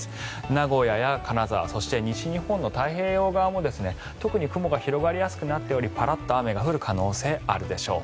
名古屋や金沢そして西日本の太平洋側も特に雲が広がりやすくなっておりパラっと雨が降る可能性があるでしょう。